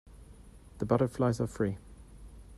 The butterflies are free.